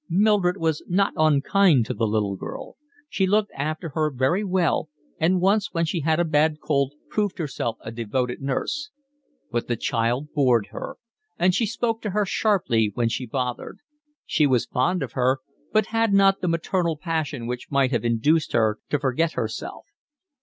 Mildred was not unkind to the little girl. She looked after her very well and once when she had a bad cold proved herself a devoted nurse; but the child bored her, and she spoke to her sharply when she bothered; she was fond of her, but had not the maternal passion which might have induced her to forget herself.